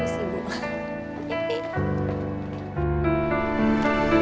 terima kasih bu